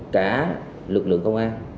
cả lực lượng công an